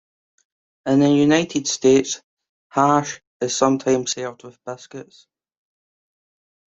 In the United States, hash is sometimes served with biscuits.